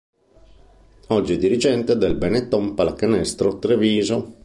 Ora è dirigente del Benetton Pallacanestro Treviso.